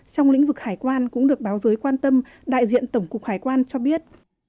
trong lĩnh vực hải quan cũng được báo giới quan tâm đại diện tổng cục hải quan cho biết